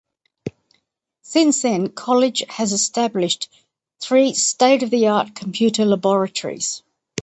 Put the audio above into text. Since then college has established three state of the art Computer laboratories.